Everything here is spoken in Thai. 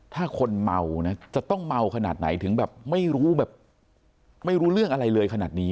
ถ้าคนเมานะจะต้องเมาขนาดไหนถึงแบบไม่รู้แบบไม่รู้เรื่องอะไรเลยขนาดนี้